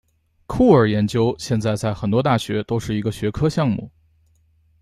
酷儿研究现在在很多大学都是一个学科项目。